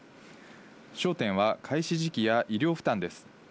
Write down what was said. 焦点は開始時期や医療負担です。